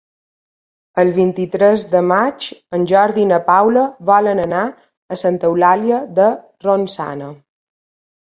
El vint-i-tres de maig en Jordi i na Paula volen anar a Santa Eulàlia de Ronçana.